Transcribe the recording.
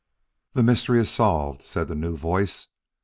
"The mystery is solved," said the new voice.